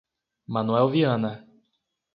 Manoel Viana